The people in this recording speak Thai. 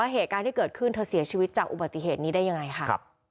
เหตุการณ์ที่เกิดขึ้นเธอเสียชีวิตจากอุบัติเหตุนี้ได้ยังไงค่ะ